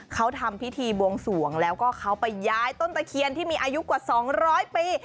เขาทำพิธีบวงสวงแล้วก็เขาไปย้ายต้นตะเคียนที่มีอายุกว่า๒๐๐ปี